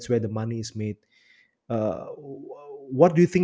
itu tempat yang membuat uang